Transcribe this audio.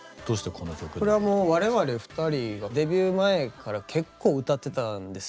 これはもう我々２人がデビュー前から結構歌ってたんです。